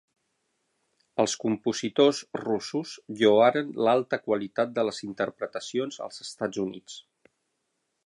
Els compositors russos lloaren l'alta qualitat de les interpretacions als Estats Units.